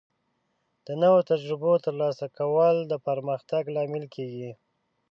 د نوو تجربو ترلاسه کول د پرمختګ لامل کیږي.